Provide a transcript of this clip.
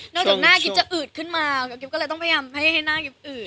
จากหน้ากิ๊บจะอืดขึ้นมากิ๊บก็เลยต้องพยายามให้หน้ากิ๊บอืด